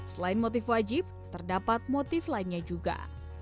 selain motif wajib terdapat motif lainnya juga